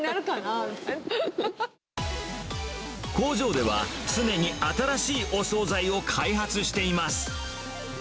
工場では、常に新しいお総菜を開発しています。